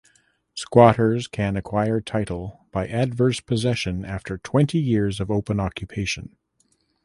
Squatters can acquire title by adverse possession after twenty years of open occupation.